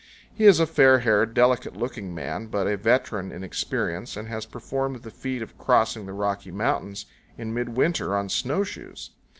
He is a fair haired, delicate looking man, but a veteran in experience, and has performed the feat of crossing the Rocky Mountains in midwinter on snowshoes.